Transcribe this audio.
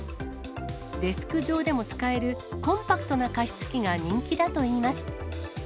デスク上でも使えるコンパクトな加湿器が人気だといいます。